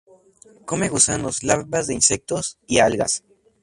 Come gusanos, larvas de insectos y algas.